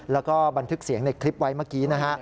แล้วก็บันทึกเสียงในคลิปไว้เมื่อกี้นะฮะ